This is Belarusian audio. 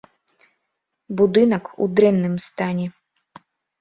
Будынак у дрэнным стане.